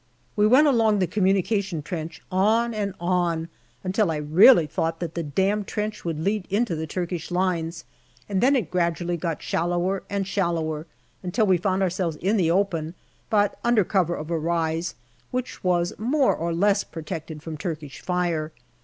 We went along the communication trench, on and on, until I really thought that the damn trench would lead into the Turkish lines, and then it gradually got shallower and shallower, until we found ourselves in the open, but under cover of a rise, which was more or less protected from Turkish fire.